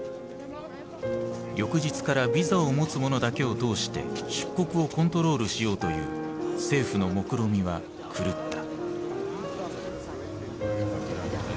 翌日からビザを持つ者だけを通して出国をコントロールしようという政府のもくろみは狂った。